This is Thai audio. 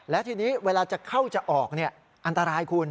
และทีนี้เวลาจะเข้าจะออกอันตรายคุณ